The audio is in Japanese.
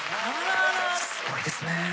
すごいですねぇ。